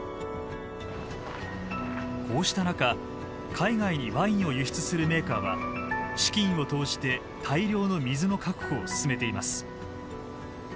こうした中海外にワインを輸出するメーカーは資金を投じて大量の水の確保を進めています。